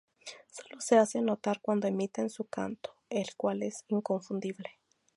Sólo se hacen notar cuando emiten su canto, el cual es inconfundible.